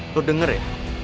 lo denger ya